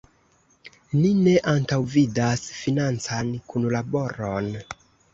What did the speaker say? Ni ne antaŭvidas financan kunlaboron.